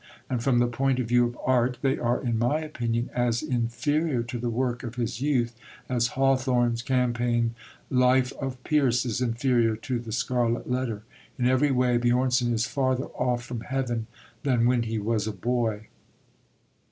And, from the point of view of art, they are, in my opinion, as inferior to the work of his youth as Hawthorne's campaign Life of Pierce is inferior to The Scarlet Letter. In every way Björnson is farther off from heaven than when he was a boy.